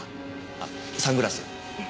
あっサングラス。